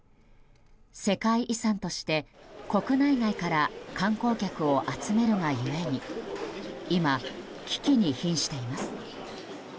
世界遺産として国内外から観光客を集めるがゆえに今、危機に瀕しています。